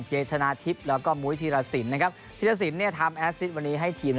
ชนะทิพย์แล้วก็มุ้ยธีรสินนะครับธีรสินเนี่ยทำแอสซิตวันนี้ให้ทีม